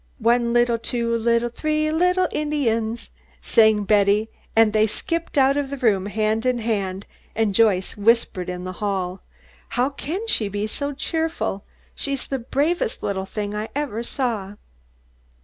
"One little, two little, three little Indians," sang Betty, as they skipped out of the room, hand in hand, and Joyce whispered in the hall, "How can she be so cheerful? She's the bravest little thing I ever saw."